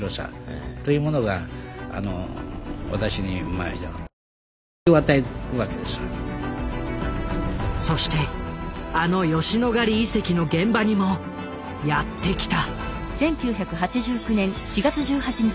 例えば空白な部分ねそしてあの吉野ヶ里遺跡の現場にもやって来た！